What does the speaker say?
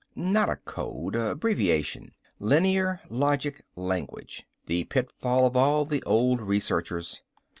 "Not a code abbreviation. Linear Logic Language, the pitfall of all the old researchers.